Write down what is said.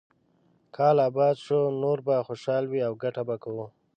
کال اباد شو، نور به خوشاله وي او ګټه به کوو.